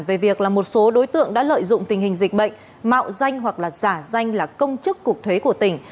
về việc là một số đối tượng đã lợi dụng tình hình dịch bệnh mạo danh hoặc là giả danh là công chức cục thuế của tỉnh